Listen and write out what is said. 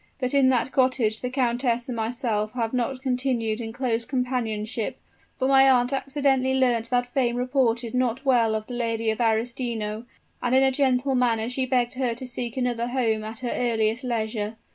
But in that cottage the countess and myself have not continued in close companionship; for my aunt accidentally learnt that fame reported not well of the Lady of Arestino, and in a gentle manner she begged her to seek another home at her earliest leisure.